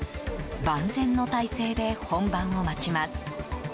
万全の態勢で本番を待ちます。